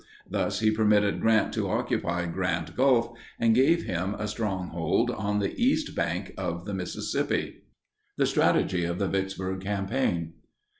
Thus he permitted Grant to occupy Grand Gulf and gave him a strong foothold on the east bank of the Mississippi. THE STRATEGY OF THE VICKSBURG CAMPAIGN.